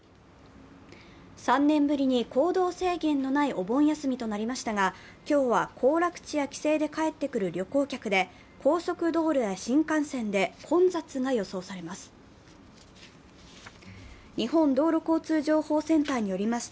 ３年ぶりに行動制限のないお盆休みとなりましたが、今日は、行楽地や帰省で帰ってくる旅行客で高速道路や新幹線で混雑が予想されます。